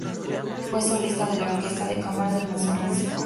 Fue solista de la Orquesta de Cámara del Museo Municipal.